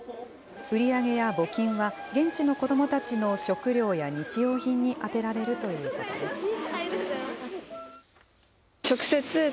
売り上げや募金は、現地の子どもたちの食料や日用品に充てられるということです。